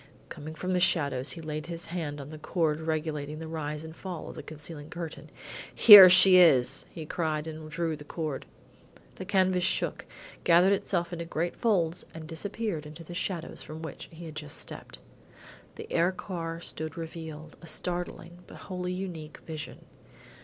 Coming from the shadows, he laid his hand on the cord regulating the rise and fall of the concealing curtain. "Here she is!" he cried and drew the cord. The canvas shook, gathered itself into great folds and disappeared in the shadows from which he had just stepped. The air car stood revealed a startling, because wholly unique, vision.